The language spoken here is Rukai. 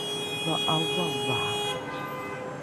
loa ’aovaovaha!